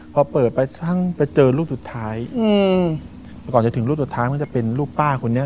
พอเปิดไปทั้งไปเจอรูปสุดท้ายอืมก่อนจะถึงรูปสุดท้ายมันจะเป็นรูปป้าคนนี้